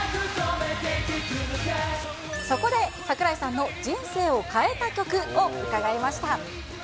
そこで櫻井さんの人生を変えた曲を伺いました。